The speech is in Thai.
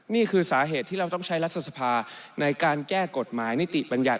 นี่คือสาเหตุที่เราต้องใช้รัฐสภาในการแก้กฎหมายนิติบัญญัติ